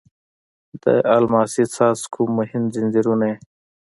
د الماسې څاڅکو مهین ځنځیرونه یې